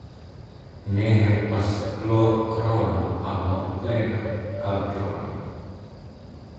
Ne helpas glorkrono al malplena kaldrono.